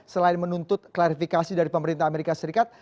selain menuntut klarifikasi dari pemerintah amerika serikat